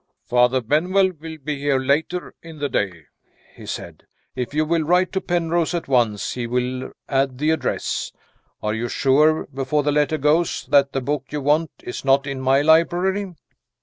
"Father Benwell will be here later in the day," he said. "If you will write to Penrose at once, he will add the address. Are you sure, before the letter goes, that the book you want is not in my library?"